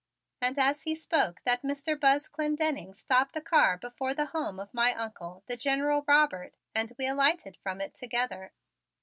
And as he spoke that Mr. Buzz Clendenning stopped the car before the home of my Uncle, the General Robert, and we alighted from it together.